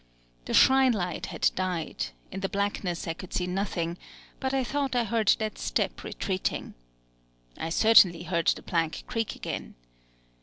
The shrine light had died: in the blackness I could see nothing; but I thought I heard that Step retreating. I certainly heard the plank creak again.